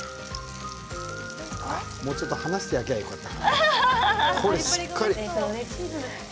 もうちょっと離して焼けばよかった。